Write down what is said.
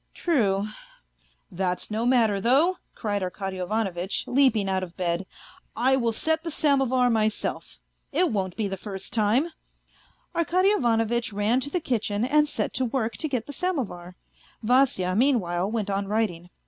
..."" True." " That's no matter, though," cried Arkady Ivanovitch, leaping out of bed. " I will set the samovar myself. It won't be the first time " Arkady Ivanovitch ran to the kitchen and set to work to get the samovar; Vasya meanwhile went on writing.